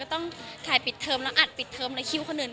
ก็ต้องฝันไปปิดเทอมและสวนตัว